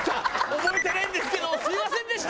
「覚えてないんですけどすみませんでした！」